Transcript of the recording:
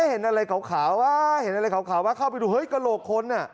เห็นอะไรขาวว่ะเข้าไปดูเกราะคน